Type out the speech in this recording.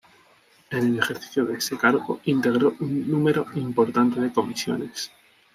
En el ejercicio de ese cargo, integró un número importante de comisiones.